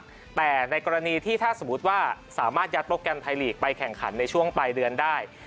แต่ในกรณีที่ถ้าสมมุติว่าสามารถยัดโปรแกรมไทยลีกไปแข่งขันในช่วงปลายเดือนได้